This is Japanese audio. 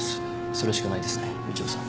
それしかないですねみちおさん。